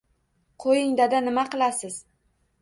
Qo‘ying, dada, nima qilasiz